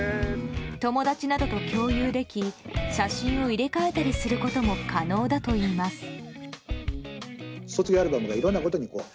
友達などと共有でき写真を入れ替えたりすることも可能だといいます。